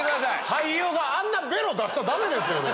俳優があんなベロ出したらダメですよね。